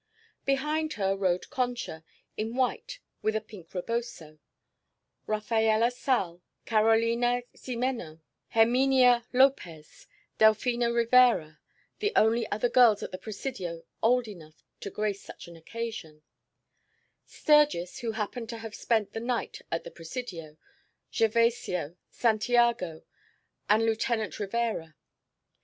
Behind her rode Concha, in white with a pink reboso; Rafaella Sal, Carolina Xime'no, Herminia Lopez, Delfina Rivera, the only other girls at the Presidio old enough to grace such an occasion; Sturgis, who happened to have spent the night at the Presidio, Gervasio, Santiago and Lieutenant Rivera.